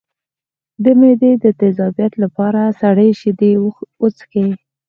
د معدې د تیزابیت لپاره سړې شیدې وڅښئ